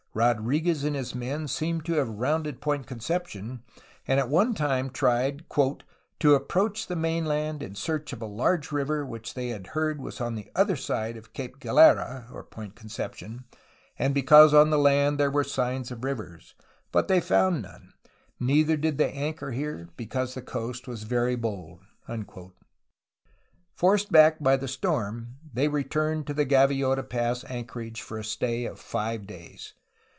Rodrfguez and his men seem to have rounded Point Conception, and at one time tried "to approach the mainland in search of a large river which they had heard was on the other side of Cape Galera [Point Concep tion], and because on the land there were signs of rivers. But they found none; neither did they anchor here, because the coast was very bold." Forced back by the storm they returned to the Gaviota Pass anchorage for a stay of five days.